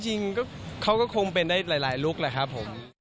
จริงเขาก็คงเป็นได้หลายลุคแหละครับผม